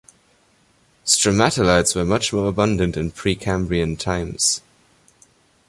Stromatolites were much more abundant in Precambrian times.